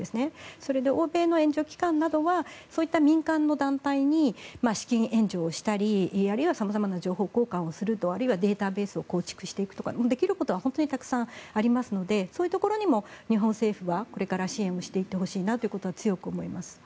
それで欧米の援助機関などはそういった民間の団体に資金援助をしたりあるいは様々な情報交換をするとあるいはデータベースを構築していくとかできることは本当にたくさんありますのでそういうところにも日本政府はこれから支援をしていってほしいなと強く思います。